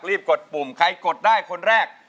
กดปุ่มใครกดได้คนแรก